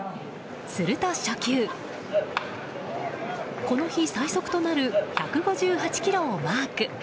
すると初球、この日最速となる１５８キロをマーク。